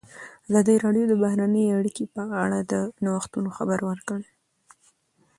ازادي راډیو د بهرنۍ اړیکې په اړه د نوښتونو خبر ورکړی.